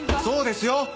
そうですよ